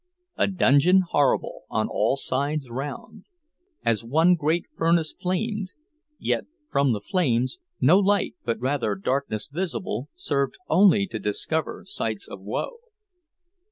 "A dungeon horrible, on all sides round As one great furnace flamed; yet from the flames No light, but rather darkness visible Served only to discover sights of woe."